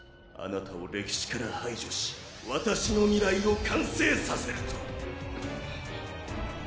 あなたを歴史から排除し私の未来を完成させると。